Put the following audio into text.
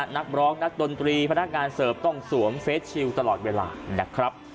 นักร้องนักดนตรีพนักงานเสิร์ฟต้องสวมเฟสชิลตลอดเวลานะครับ